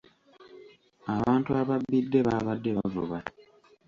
Abantu ababbidde baabadde bavuba.